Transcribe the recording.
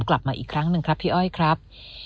กลับมาอีกครั้งหนึ่งครับพี่อ้อยครับ